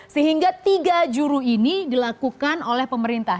sehingga tiga juru ini dilakukan oleh pemerintah